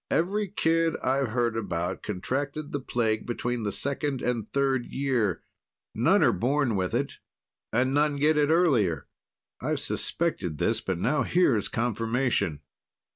"Every kid I've heard about contracted the plague between the second and third year. None are born with it, none get it earlier. I've suspected this, but now here's confirmation."